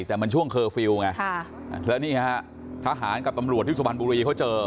แต่มันเวลานะครับแล้วนี้ทหารกับตำรวจที่สุบันบูรีค่อยเจอ